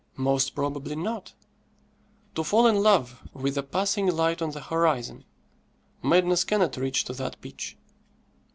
Most probably not. To fall in love with a passing light on the horizon, madness cannot reach to that pitch.